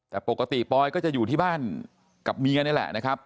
แต่ปกติปอยก็จะอยู่ที่บ้านกับเมียนี่แหละนะครับ